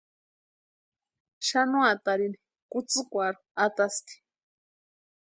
Xanuatarini kutsïkwarhu atasti.